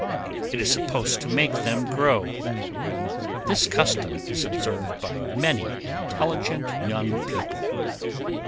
It is supposed to make them grow. This custom is observed by many intelligent young people.